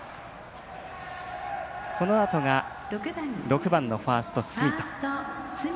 このあとが６番のファースト隅田。